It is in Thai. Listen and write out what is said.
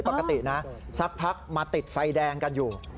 ปกตินะสักพักมาติดไฟแดงกันอยู่